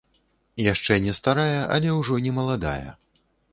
Яшчэ не старая, але ўжо не маладая.